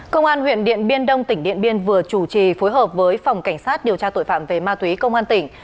công an huyện điện biên đông tỉnh điện biên vừa chủ trì phối hợp với phòng cảnh sát điều tra tội phạm về ma túy công an tỉnh